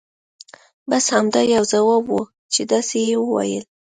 بس همدا یو ځواب وو چې داسې یې ویل.